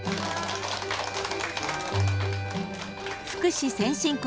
福祉先進国